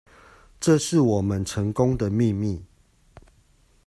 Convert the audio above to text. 這是我們成功的秘密